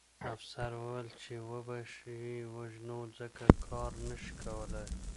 افسر وویل چې وبه یې وژنو ځکه کار نه شي کولی